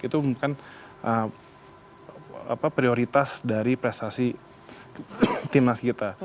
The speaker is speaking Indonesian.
itu bukan prioritas dari prestasi tim nasi kita